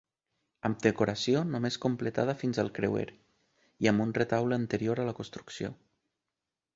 Amb decoració només completada fins al creuer i amb un retaule anterior a la construcció.